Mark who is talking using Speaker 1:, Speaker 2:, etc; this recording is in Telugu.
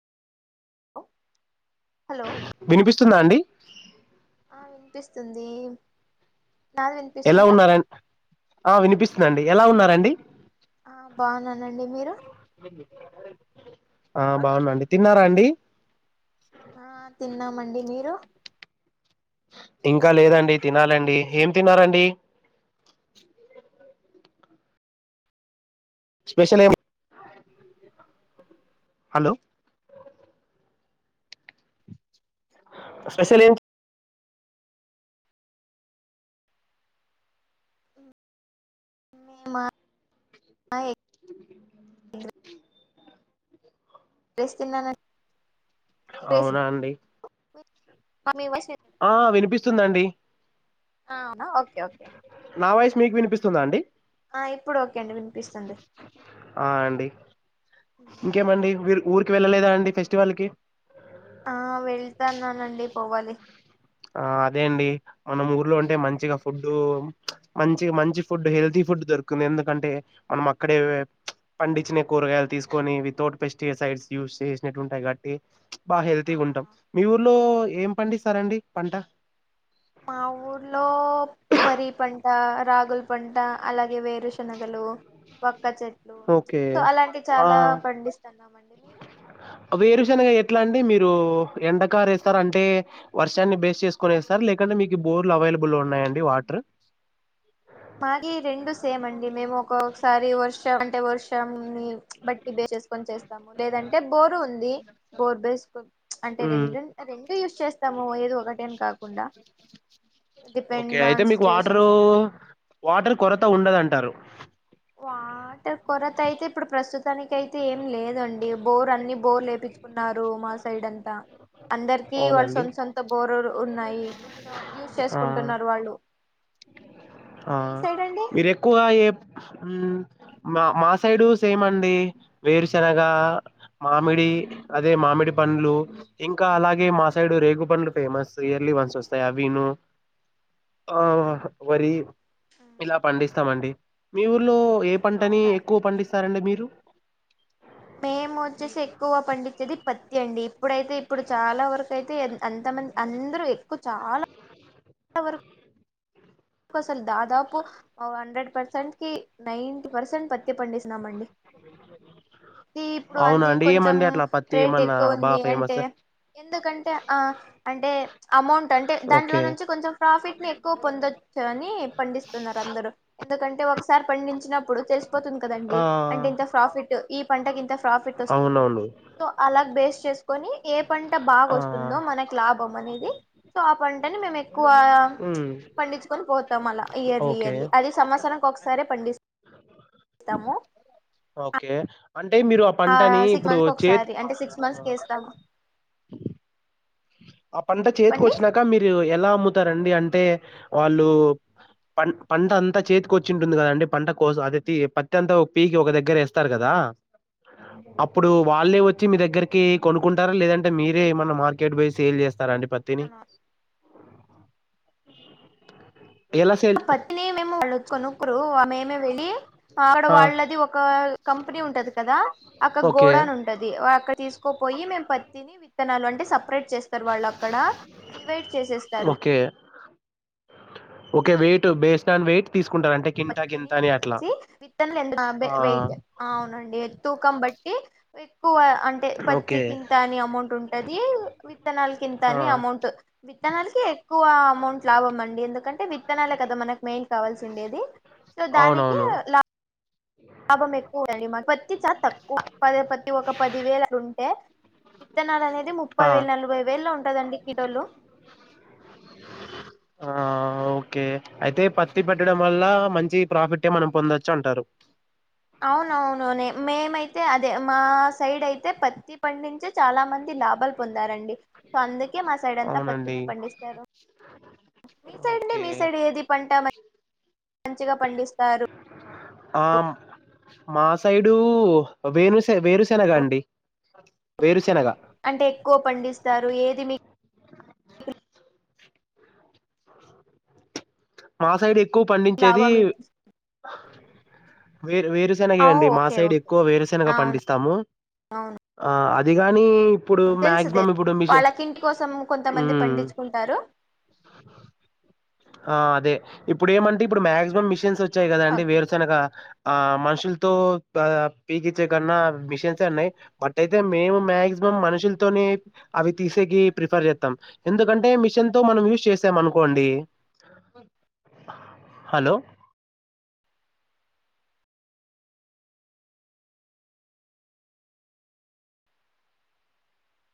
Speaker 1: హలో
Speaker 2: వినిపిస్తుందా అండి
Speaker 1: ఆ వినిపిస్తుంది నాది
Speaker 2: ఎలా
Speaker 1: వినిపిస్తుందా
Speaker 2: ఉన్నార ఆ వినిపిస్తుందిండి ఎలా ఉన్నారండి
Speaker 1: ఆ బాగున్నానండి మీరు
Speaker 2: ఆ బావున్నా అండి తిన్నారా అండి
Speaker 1: ఆ తిన్నామండి మీరు
Speaker 2: ఇంకా లేదండి తినాలండి ఏం తిన్నారండి స్పెషలేం హలో స్పెషలేం
Speaker 1: మేమా జస్ తిన్నానన్
Speaker 2: అవునా అండి
Speaker 1: మీ వాయిస్
Speaker 2: ఆ వినిపిస్తుందండి
Speaker 1: ఆవునా ఓకే ఓకే
Speaker 2: నా వాయిస్ మీకు వినిపిస్తుందా అండి
Speaker 1: ఆ ఇప్పుడు ఓకే అండి వినిపిస్తుంది
Speaker 2: ఆ అండి ఇంకేమండి వీరు ఊరికి వెళ్ళలేదా అండి ఫెస్టివల్ కి
Speaker 1: ఆ వెళ్తాన్నానండి పోవాలి
Speaker 2: ఆ అదే అండి మనం ఊర్లో ఉంటే మంచిగా ఫుడ్ మంచిగా మంచి ఫుడ్ హెల్దీ ఫుడ్ దొరుకున్ ఎందుకంటే మనమక్కడే పండిచ్చిన కూరగాయలు తీసుకోని వితౌట్ పెస్టిసై యూజ్ చేసినట్టు ఉంటాయి కాబట్టి బా హెల్తీగుంటం
Speaker 1: అవునా
Speaker 2: మీ ఊర్లో ఏం పండిస్తారండి పంట
Speaker 1: మా ఊర్లో వరి పంట రాగుల్ పంట అలాగే వేరుశనగలు బక్క చెట్లు
Speaker 2: ఓకే
Speaker 1: సో అలాంటి
Speaker 2: ఆ
Speaker 1: చాలా పండిస్తున్నామండి మీరు
Speaker 2: అ వేరుశెనగ ఎట్ల అండి మీరు ఎండకారేస్తరంటే వర్షాన్ని బేస్ చేసుకొని ఏస్తార లేకంటే మీకు బోర్లు అవై లబుల్ ఉన్నాయండి వాటర్
Speaker 1: మాగి రెండు సేమ్ అండి మేము ఒకొసారి వర్షం అంటే వర్షంని బట్టి బేస్ చేసుకొని చేస్తాము లేదంటే బోరు ఉంది బోర్ బేసుకు అంటే
Speaker 2: మ్మ్.
Speaker 1: రెండు రెండు యూస్ చేస్తాము ఏదో ఒకటేని కాకుండా
Speaker 2: ఓకే
Speaker 1: డిపెండ్
Speaker 2: అయితే
Speaker 1: ఆన్
Speaker 2: మీకు వాటరు
Speaker 1: సిచ్యువేషన్స్ అండి
Speaker 2: వాటర్ కొరత ఉండదంటారు
Speaker 1: వాటర్ కొరతైతే ఇప్పుడు ప్రస్తుతానికైతే ఏం లేదండి బోర్ అన్ని బోర్ల్ లేపించుకు ఉన్నారు మా సైడంతా అందరికి వాళ్ళు
Speaker 2: అవునండి
Speaker 1: సొంత్ సొంత బోరూరు ఉన్నాయి సో యూజ్
Speaker 2: ఆ
Speaker 1: చేసుకుంటున్నారు వాళ్ళు
Speaker 2: ఆ
Speaker 1: మీ సైడ్ అండి
Speaker 2: మీరెక్కువ ఏ మా మా సైడు సేమ్ అండి వేరుశనగ మామిడి అదే మామిడి పండ్లు ఇంకా అలాగే మా సైడ్ రేగు పండ్లు ఫేమస్ ఇయర్లీ వన్స్ వస్తాయి. విను ఆ వరి ఇలా పండిస్తామండి మీ ఊర్లో ఏ పంటని
Speaker 1: అవునా అండి.
Speaker 2: ఎక్కువ పండిస్తారండి మీరు
Speaker 1: మేము వచ్చేసి ఎక్కువ పండించేది పత్తి అండి ఇప్పుడైతే ఇప్పుడు చాలా వరకు అయితే అంత అందరూ ఎక్కువ చాలా వరకు కు అసలు దాదాపు హండ్రెడ్ పర్సెంట్ కి నైన్టి పర్సెంట్ పత్తె పండిస్ ఉన్నామండి ఈ ఇప్పుడు
Speaker 2: అవునా
Speaker 1: అది
Speaker 2: అండి
Speaker 1: కొంచెం
Speaker 2: ఏమండి అట్లా పత్తి
Speaker 1: రేట్
Speaker 2: ఏమన్నా బాగా
Speaker 1: ఎక్కువుంది అంటే
Speaker 2: ఫేమస్
Speaker 1: ఎందుకంటే ఆ అంటే అమౌంట్ అంటే దాంట్లో
Speaker 2: ఓకే
Speaker 1: నుంచి కొంచెం ప్రాఫిట్ ని ఎక్కువ పొందొ అని పండిస్తున్నారు అందరూ ఎందుకంటే ఒకసారి పండించిన ప్పుడు తెలిసిపోతుంది కదండి
Speaker 2: ఆ
Speaker 1: అంటే ఇంత ఫాఫిట్ ఈ పంటకి ఇంత ఫాఫిట్ వస్తుంది అని
Speaker 2: అవునవును
Speaker 1: సో అలా బేస్ చేస్కోని ఏ పంట బాగ
Speaker 2: ఆ
Speaker 1: వస్తుందో మనకు లాభం అనేది సో ఆ పంటని మేమెక్కువ
Speaker 2: మ్
Speaker 1: పోతాం అలా ఇయర్లీ ఇయర్లీ అది సంవత్సరనికి ఒకసారే పండిస్తస్తాము
Speaker 2: ఓకే అంటే మీరు ఆ పంటని
Speaker 1: సిక్స్
Speaker 2: ఇప్పుడు
Speaker 1: మంత్స్
Speaker 2: చేతి
Speaker 1: ఒకసారి అంటే సిక్స్ మంత్స్ కి
Speaker 2: ఆ
Speaker 1: వేస్తాము
Speaker 2: ఆ పంట చేతికి
Speaker 1: చెప్పండి
Speaker 2: వచ్చినాకా మీరు ఎలా అమ్ముతారండి అంటే వాళ్ళు పం పంట అంతా చేతికి వచ్చింటుంది కదాండి పంట కోసం అదే పత్తి అంతా ఒక పీకి ఒక దగ్గర వేస్తారు కదా ఆ అప్పుడు వాళ్ళే వచ్చి మీ దగ్గరికి కొనుకుంటారా లేదంటే మీరేమన్న మార్కెట్ బేసి సేల్ చేస్తారా అండి పత్తిని ఎలా సేల్
Speaker 1: పత్ని మేముకనుకోరు ఆ మేమ వెళి అక్కడ
Speaker 2: ఆ!
Speaker 1: వాళ్ళది ఒక కంపెనీ ఉంటది కదా అక్కడ
Speaker 2: ఓకే.
Speaker 1: గోడాన్ ఉంటది అక్కడ తీసుకోపోయి మేం పత్తిని విత్ విత్తనాలు అంటే సపరేట్ చేస్తారు వాళ్ళు అక్కడ డివైడ్ చేసేస్తారు
Speaker 2: okay. Okay weight based on weight తీసుకు
Speaker 1: పత్తిని విత్తనలు ఎంత
Speaker 2: ఆ!
Speaker 1: వెయిట్ అవునండి తూకం బట్టి ఇ ఎక్కువ అంటే పత్తి
Speaker 2: ఓకే.
Speaker 1: కింత అని అమౌంట్ ఉంటది విత్తనాల కింత
Speaker 2: ఆ!
Speaker 1: అని అమౌంట్ విత్తనాలకి ఎక్కువ అమౌంట్ లాభం అండి ఎందుకంటే వి విత్తనాలే కదా మనకు మెయిన్ కావాల్సి ఉండేది సో దానికి
Speaker 2: అవునవును.
Speaker 1: లా లాభం ఎక్కువండి మా పత్తి చాలా తక్కువ పద పత్తి ఒక పది వేలు అట్లుంటే విత్తనాలు అనేది ముప్పై
Speaker 2: ఆ!
Speaker 1: వేలు నలభై వేల్లో ఉంటుందండి కిలోలు
Speaker 2: ఆ!
Speaker 1: ఉ
Speaker 2: ఓకే. అయితే పత్తి పెట్టడం వల్ల మంచి ప్రాఫిటే మనం పొందచ్చు అంటారు
Speaker 1: అవునవును నే మేమైతే అదే మా సైడ్ అయితే పత్తి పండిచి చాలా మంది లాభాలు పొందారండి సో అందుకే మా సైడ్ అంతా
Speaker 2: అవునండి
Speaker 1: పత్తినే పండిస్తారు మీ సైడ్ ని
Speaker 2: ఓకే
Speaker 1: మీ సైడ్ ఏది పంట మ మంచిగా పండిస్తారు
Speaker 2: ఆ మా సైడు వేణసే వేరుశేనగా అండి వేరుశెనగ
Speaker 1: అంటే ఎక్కువ పండిస్తారు ఏది మీ
Speaker 2: మా సైడ్ ఎక్కువ పండించేది
Speaker 1: లాభం ఇ-
Speaker 2: హ వేరు వేరుశెనగే
Speaker 1: ఆ
Speaker 2: అండి మా
Speaker 1: ఓకే
Speaker 2: సైడ్
Speaker 1: ఓకే
Speaker 2: ఎక్కువ వేరుశెనగా
Speaker 1: అవును
Speaker 2: పండిస్తాము
Speaker 1: అవును
Speaker 2: ఆ అదిగా
Speaker 1: తెలుసు తెలుసు వాళ్ళకింటి కోసం కొంతమంది
Speaker 2: మ్మ్
Speaker 1: పండించుకుంటారు
Speaker 2: ఆ అదే ఇప్పుడు ఏమంటే ఇప్పుడు మాక్సిమం మిషన్స్ వచ్చాయి
Speaker 1: అవును
Speaker 2: కదా అండి
Speaker 1: ఓకే.
Speaker 2: వేరుశనగా ఆ మనుషులతో ప పీకిచ్చే కన్నా మిషన్స్ అన్నాయి బట్ అయితే మేము మాక్సి మేమ్ మనుషులతో అవి తీసేకి ప్రిఫర్ చేస్తాం ఎందుకంటే మిషన్ తో మనం యూస్ చేసాం అనుకో హంది హలో